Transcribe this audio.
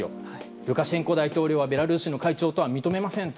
ルカシェンコ大統領はベラルーシの会長とは認めませんと。